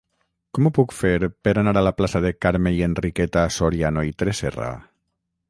Com ho puc fer per anar a la plaça de Carme i Enriqueta Soriano i Tresserra?